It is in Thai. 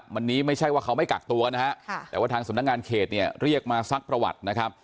วันนี้ไม่ใช่ว่าเขาไม่กักตัวนะฮะแต่ว่าทางสำนักงานเขตเนี่ยเรียกมาซักประวัตินะครับ